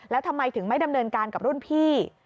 แล้วทำไมถึงไม่ดำเนินการกับรุ่นพี่